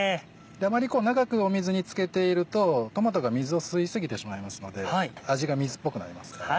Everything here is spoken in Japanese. あまり長く水につけているとトマトが水を吸い過ぎてしまいますので味が水っぽくなります。